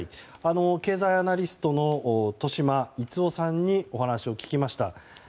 経済アナリストの豊島逸夫さんにお話を聞きました。